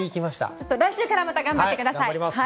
ちょっと来週からまた頑張ってください。